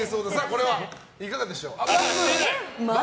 これはいかがでしょう？×！